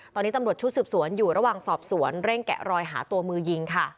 ตอนนี้ตำรวจชุดสืบสวนอยู่ระหว่างสอบสวนเร่งแกะรอยหาตัวมือยิงค่ะ